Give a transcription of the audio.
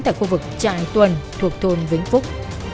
tại khu vực trại tuần thuộc thôn vĩnh phúc